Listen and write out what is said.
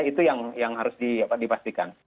itu yang harus dipastikan